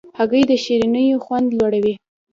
هګۍ د شیرینیو خوند لوړوي.